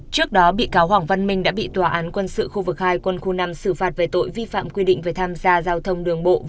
trước đó bị cáo hoàng văn minh đã bị tòa án quân sự khu vực hai quân khu năm xử phạt về tội vi phạm quy định về tham gia giao thông đường bộ